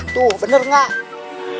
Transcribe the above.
tuh bener gak